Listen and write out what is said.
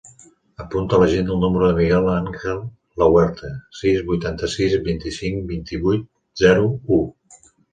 Apunta a l'agenda el número del Miguel àngel Lahuerta: sis, vuitanta-sis, vint-i-cinc, vint-i-vuit, zero, u.